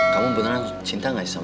kamu beneran cinta gak sih sama